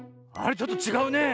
ちょっとちがうねえ。